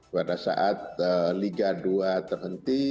pada saat liga dua terhenti